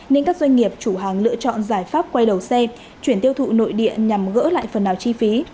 nên các doanh nghiệp chủ hàng lựa chọn giải pháp quay đầu xe chuyển tiêu thụ nội địa nhằm gỡ lại phần nào chi phí